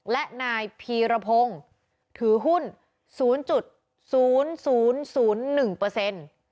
และนายพีรพงศ์ถือหุ้น๐๐๐๐๑